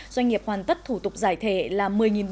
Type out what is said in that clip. doanh nghiệp hoàn tất thủ tục giải thể là một mươi bốn trăm linh